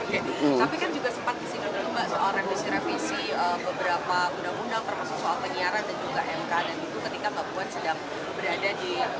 tapi kan juga sempat disinggung dulu mbak soal revisi revisi beberapa undang undang termasuk soal penyiaran dan juga mk dan itu ketika mbak puan sedang berada di